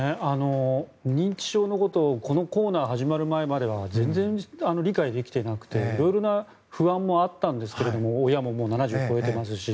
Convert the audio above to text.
認知症のことをこのコーナーが始まる前までは全然理解できてなくて色々な不安もあったんですが親ももう７０を超えていますし。